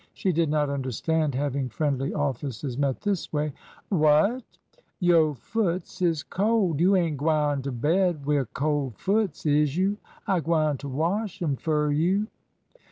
She did not understand having friendly offices met this way. Whatf/^ '' Yo' foots is cold. You ain' gwine to bed wi' cold foots, is you? I gwineter wash 'em fur you."